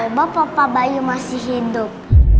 malah papa bayu masih hidup